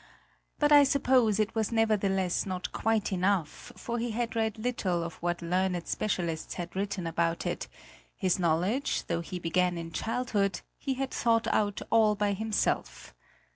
But I suppose it was nevertheless not quite enough, for he had read little of what learned specialists had written about it; his knowledge, though he began in childhood, he had thought out all by himself.